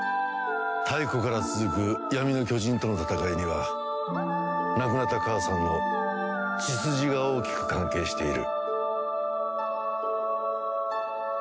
太古から続く闇の巨人との戦いには亡くなった母さんの血筋が大きく関係している。